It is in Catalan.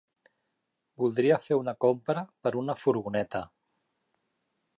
Voldria fer una compra per una furgoneta.